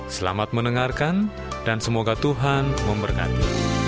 selamat mendengarkan dan semoga tuhan memberkati